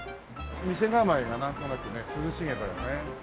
店構えがなんとなくね涼しげだよね。